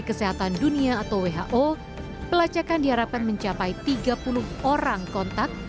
kesehatan dunia atau who pelacakan diharapkan mencapai tiga puluh orang kontak